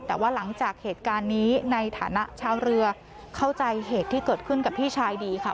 แต่ว่าหลังจากเหตุการณ์นี้ในฐานะชาวเรือเข้าใจเหตุที่เกิดขึ้นกับพี่ชายดีค่ะ